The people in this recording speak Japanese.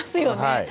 はい。